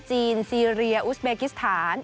จีนซีเรียอุสเบกิสถาน